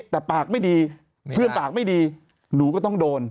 แต่ปากไม่ดีเพื่อนปากไม่ดีหนูก็ต้องโดน